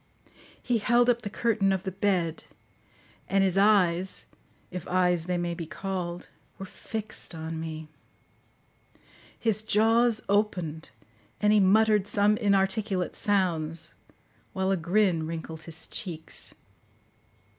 He held up the curtain of the bed; and his eyes, if eyes they may be called, were fixed on me. His jaws opened, and he muttered some inarticulate sounds, while a grin wrinkled his cheeks.